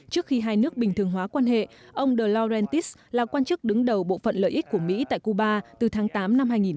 trước khi hai nước bình thường hóa quan hệ ông dlawentis là quan chức đứng đầu bộ phận lợi ích của mỹ tại cuba từ tháng tám năm hai nghìn một mươi ba